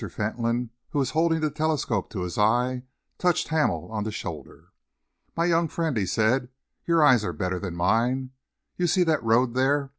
Fentolin, who was holding the telescope to his eye, touched Hamel on the shoulder. "My young friend," he said, "your eyes are better than mine. You see the road there?